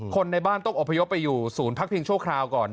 คนในบ้านอยู่สูญพักพิงโชคราวก่อน